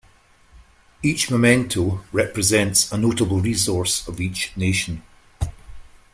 Each memento represents a notable resource of each nation.